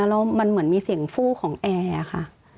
แล้วมันเหมือนมีเสียงฟู้ของแอร์ค่ะ